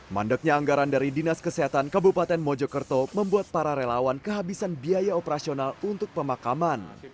mandeknya anggaran dari dinas kesehatan kabupaten mojokerto membuat para relawan kehabisan biaya operasional untuk pemakaman